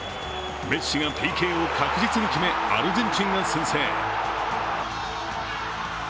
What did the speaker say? メッシがＰＫを確実に決め、アルゼンチンが先制。